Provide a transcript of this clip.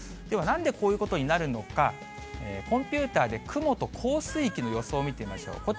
では、なんでこういうことになるのか、コンピューターで雲と降水域の予想を見てみましょう。